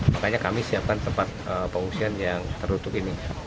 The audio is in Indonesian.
makanya kami siapkan tempat pengungsian yang tertutup ini